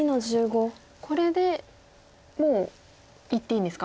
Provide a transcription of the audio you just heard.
これでもう言っていいんですか？